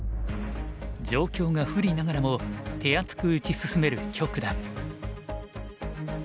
状況が不利ながらも手厚く打ち進める許九段。